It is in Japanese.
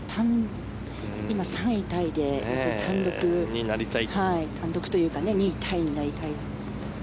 今、３位タイで単独というか２位タイになりたい。